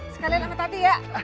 sekalian sama tadi ya